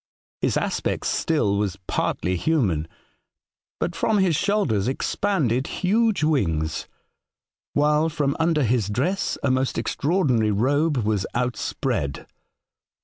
His aspect still was partly human ; but from his shoulders expanded huge wings, while from under his dress a most extraordinary robe was outspread.